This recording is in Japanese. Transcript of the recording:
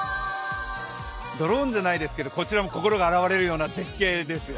ドローンではないですけどこちらも心が洗われるような絶景ですよ。